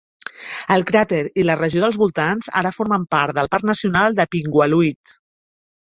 El cràter i la regió dels voltants ara formen part del Parc Nacional de Pingualuit.